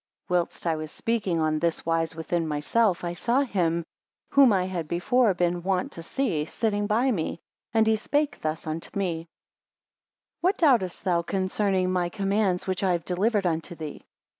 2 Whilst I was speaking on this wise within myself, I saw him whom I had before been wont to see, sitting by me; and he spake thus unto me: 3 What doubtest thou concerning my commands which I have delivered unto thee?